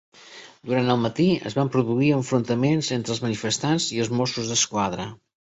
Durant el matí es van produir enfrontaments entre els manifestants i els Mossos d'Esquadra.